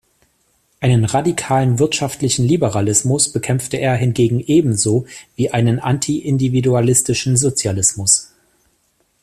Einen radikalen wirtschaftlichen Liberalismus bekämpfte er hingegen ebenso wie einen anti-individualistischen Sozialismus.